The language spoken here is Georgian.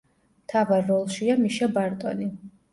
მთავარ როლშია მიშა ბარტონი.